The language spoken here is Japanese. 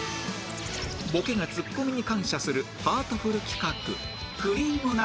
ボケがツッコミに感謝するハートフル企画